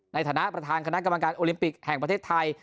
ในฐานะประธานคณะกรรมการโอลิมปิกแห่งประเทศไทย